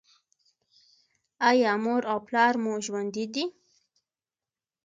ایا مور او پلار مو ژوندي دي؟